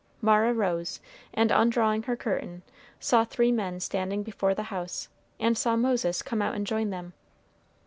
Mara rose, and undrawing her curtain, saw three men standing before the house, and saw Moses come out and join them.